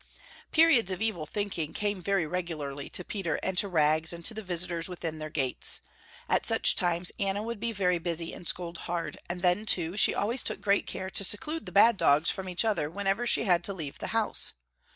Periods of evil thinking came very regularly to Peter and to Rags and to the visitors within their gates. At such times Anna would be very busy and scold hard, and then too she always took great care to seclude the bad dogs from each other whenever she had to leave the house.